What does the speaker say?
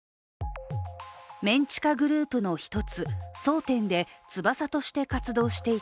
メン地下グループの１つ、蒼天で翼として活動していた